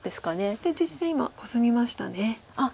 そして実戦今コスみましたね。